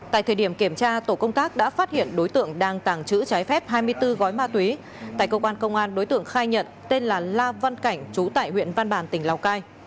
tại thời điểm kiểm tra tổ công tác đã phát hiện đối tượng đang tàng trữ trái phép hai mươi bốn gói ma túy tại cơ quan công an đối tượng khai nhận tên là la văn cảnh chú tại huyện văn bàn tỉnh lào cai